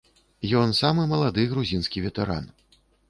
Ён самы малады грузінскі ветэран.